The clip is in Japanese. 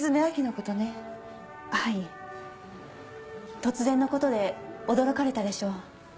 突然のことで驚かれたでしょう。